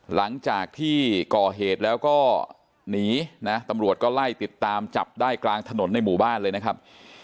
หลังจากที่ก่อเหตุแล้วก็หนีนะตำรวจก็ไล่ติดตามจับได้กลางถนนในหมู่บ้านเลยนะครับ